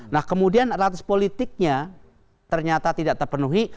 nah kemudian ratus politiknya ternyata tidak terpenuhi